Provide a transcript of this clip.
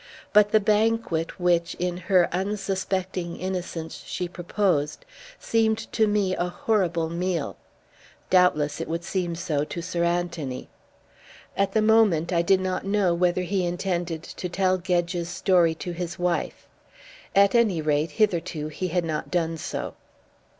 But the banquet which, in her unsuspecting innocence she proposed, seemed to me a horrible meal. Doubtless it would seem so to Sir Anthony. At the moment I did not know whether he intended to tell Gedge's story to his wife. At any rate, hitherto, he had not done so.